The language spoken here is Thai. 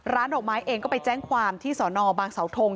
ดอกไม้เองก็ไปแจ้งความที่สอนอบางเสาทง